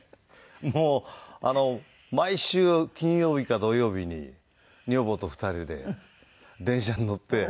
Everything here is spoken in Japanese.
もう毎週金曜日か土曜日に女房と２人で電車に乗って会いに行きます。